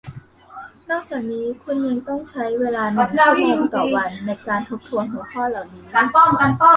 นอกจากนั้นคุณยังต้องใช้เวลาหนึ่งชั่วโมงต่อวันในการทบทวนหัวข้อเหล่านี้